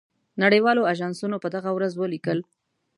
نړۍ والو آژانسونو په دغه ورځ ولیکل.